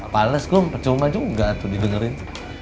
pales kok percuma juga tuh didengerin